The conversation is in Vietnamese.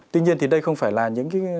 tuy nhiên thì đây không phải là những